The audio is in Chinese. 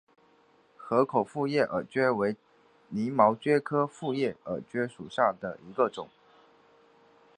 河口复叶耳蕨为鳞毛蕨科复叶耳蕨属下的一个种。